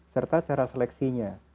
serta cara seleksinya